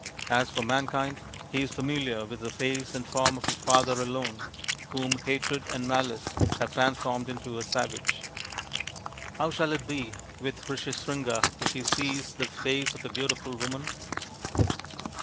As for mankind he is familiar with the face and form of his father alone, whom hatred and malice have transformed into a savage. " How shall it be with Rishyasringa if he sees the face of a beautiful woman